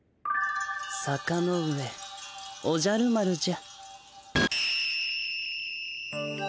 坂ノ上おじゃる丸じゃ。